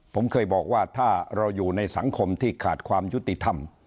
ผมเคยบอกว่าถ้าเราอยู่ในสังคมที่ขาดความยุติธรรม